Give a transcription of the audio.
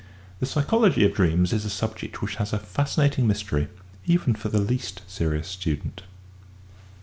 The psychology of dreams is a subject which has a fascinating mystery, even for the least serious student.